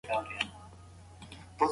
دا علم تر بل هر علم ډېره مرسته کوي.